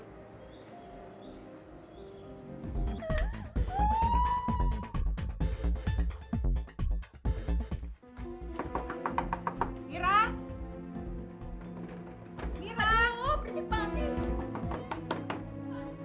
oh bersih banget sih